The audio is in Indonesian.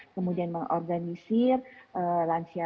kemudian mengorganisir lansia lansia